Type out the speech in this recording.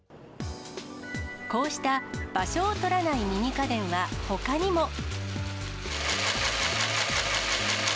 こうした場所を取らないミニ家電は、ほかにも。